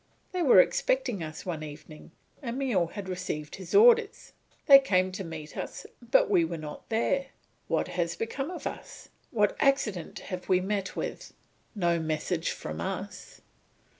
They were expecting us one evening; Emile had received his orders. They came to meet us, but we were not there. What has become of us? What accident have we met with? No message from us!